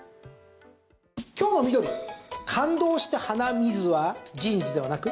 今日の緑、感動して鼻水はジーンズではなく？